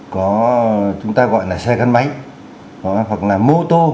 có chúng ta gọi là xe gắn máy hoặc là mô tô